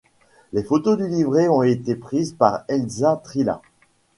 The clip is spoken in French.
Les photos du livret ont été prises par Elsa Trillat.